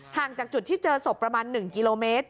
จากจุดที่เจอศพประมาณ๑กิโลเมตร